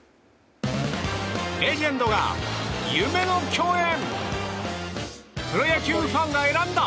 レジェンドが夢の共演！